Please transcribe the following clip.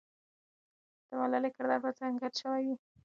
د ملالۍ کردار به څرګند سوی وي.